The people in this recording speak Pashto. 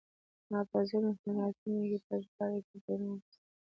ما په ځینو حالتونو کې په ژباړه کې بدلون راوستی.